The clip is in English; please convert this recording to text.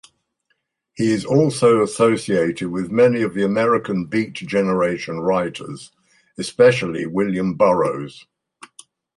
He also associated with many of the American beat generation writers, especially William Burroughs.